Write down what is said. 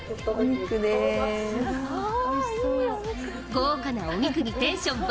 豪華なお肉にテンション爆